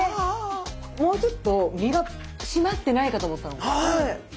もうちょっと身が締まってないかと思ったの。